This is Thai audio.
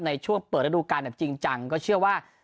ในช่วงเปิดระดูการแบบจริงจังก็เชื่อว่า